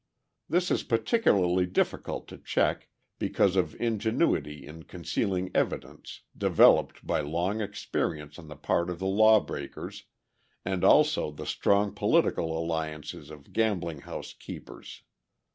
This is particularly difficult to check because of ingenuity in concealing evidence, developed by long experience on the part of the law breakers, and also the strong political alliances of gambling house keepers.